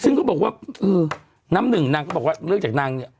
ซึ่งก็บอกว่าน้ำ๑เรื่องจากนาง